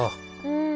うん。